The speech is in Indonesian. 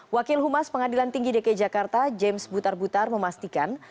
wakil humas pengadilan tinggi dki jakarta james butar butar memastikan